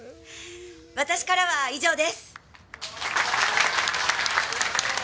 私からは以上です。